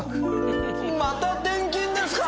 また転勤ですか！？